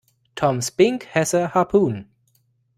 Tom Spink has a harpoon.